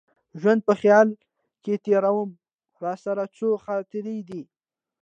ژوند په خیال کي تېرومه راسره څو خاطرې دي